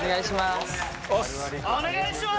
お願いします。